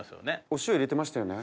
お塩入れてましたよね？